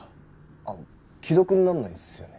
あの既読にならないんですよね。